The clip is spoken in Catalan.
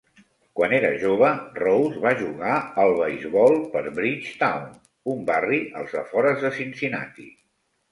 Quan era jove, Rose va jugar al beisbol per Bridgetown, un barri als afores de Cincinnati.